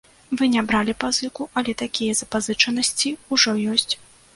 Вы не бралі пазыку, але такія запазычанасці ўжо ёсць.